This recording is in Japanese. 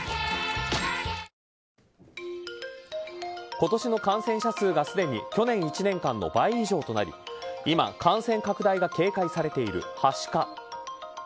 今年の感染者数がすでに去年１年間の倍以上となり、今、感染拡大が警戒されているはしか。